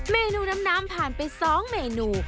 เมนูน้ำผ่านไป๒เมนู